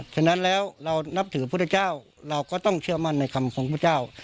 ฉะนั้นแล้วเรานับถือพุทธเจ้าเราก็ต้องเชื่อมั่นในคำของพุทธเจ้า